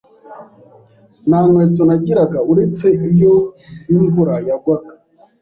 nta nkweto nagiraga uretse iyo imvura yagwaga